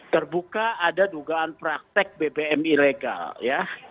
terbuka ada dugaan praktek bbm ilegal ya